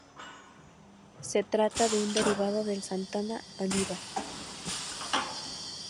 Se trata de un derivado del Santana Aníbal.